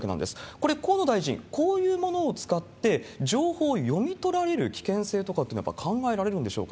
これ、河野大臣、こういうものを使って、情報を読み取られる危険性とかというのは、やっぱり考えられるんでしょうか？